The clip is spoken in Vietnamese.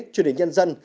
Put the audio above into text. truyền hình nhân dân